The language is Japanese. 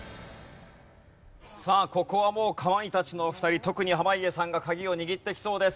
ここはもうかまいたちのお二人特に濱家さんが鍵を握ってきそうです。